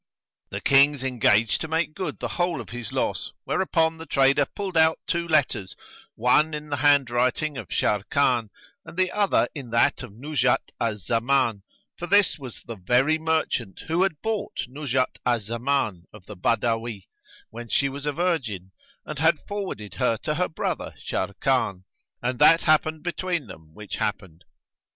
The Kings engaged to make good the whole of his loss, where upon the trader pulled out two letters, one in the handwriting of Sharrkan, and the other in that of Nuzhat al Zaman; for this was the very merchant who had bought Nuzhat al Zaman of the Badawi, when she was a virgin, and had forwarded her to her brother Sharrkan; and that happened between them which happened.